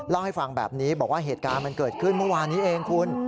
เล่าให้ฟังแบบนี้บอกว่าเหตุการณ์มันเกิดขึ้นเมื่อวานนี้เองคุณ